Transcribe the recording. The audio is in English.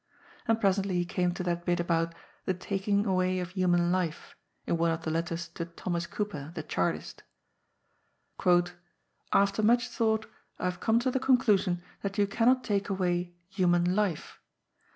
And presently he came to that bi^ about ^' the taking away of human life" in one of the letters to Thomas Cooper, the Chartist :^^ After much thought, I have come to the conclusion that you cannot take away human life.